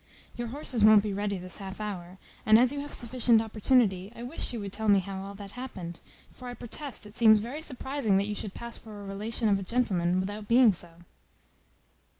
Your horses won't be ready this half hour, and as you have sufficient opportunity, I wish you would tell me how all that happened; for I protest it seems very surprizing that you should pass for a relation of a gentleman, without being so."